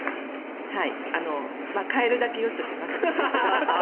替えるだけよしとします。